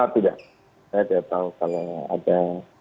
tidak saya tidak tahu kalau ada